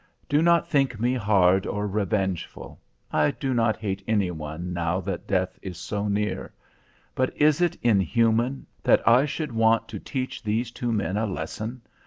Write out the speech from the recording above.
Do not think me hard or revengeful. I do not hate anyone now that death is so near. But is it inhuman that I should want to teach these two men a lesson?